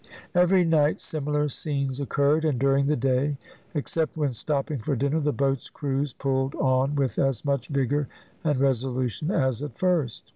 Every night similar scenes occurred; and during the day, except when stopping for dinner, the boats' crews pulled on with as much vigour and resolution as at first.